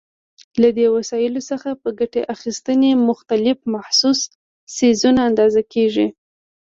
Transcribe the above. له دې وسایلو څخه په ګټې اخیستنې مختلف محسوس څیزونه اندازه کېږي.